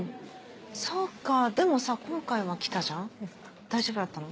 そっかでもさ今回は来たじゃん。大丈夫だったの？